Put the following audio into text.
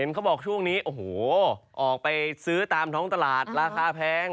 เขาบอกช่วงนี้โอ้โหออกไปซื้อตามท้องตลาดราคาแพง